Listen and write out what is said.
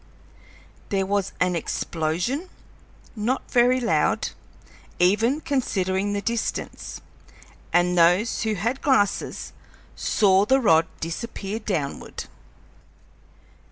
There was an explosion not very loud, even considering the distance and those who had glasses saw the rod disappear downward.